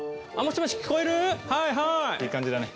いい感じだね。